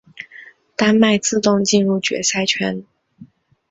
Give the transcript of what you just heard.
丹麦自动进入决赛圈。